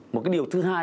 một cái điều thứ hai